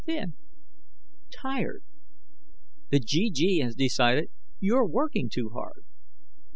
"Thin, tired: the GG has decided you're working too hard."